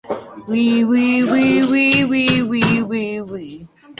The speech was described as "echoing anti-Semitic claims".